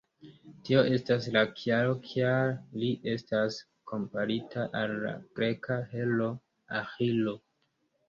Tio estas la kialo kial li estas komparita al la greka heroo Aĥilo.